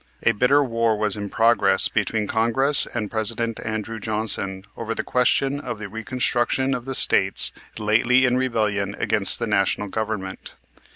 A bitter war was in progress between Congress and President Andrew Johnson over the question of the reconstruction of the States lately in rebellion against the National Government.